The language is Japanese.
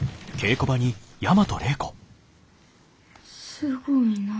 すごいなあ。